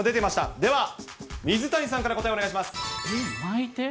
では水谷さんから答え、お願いしまいて？